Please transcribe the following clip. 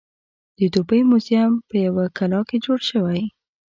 د دوبۍ موزیم په یوه کلا کې جوړ شوی.